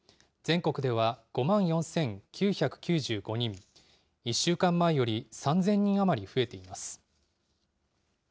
全国では５万４９９５人、１週間前より３０００人余り増えています。